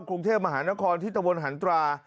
กรุงเทพมหานครที่ตะวนหันตรา